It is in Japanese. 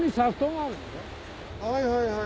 はいはいはい。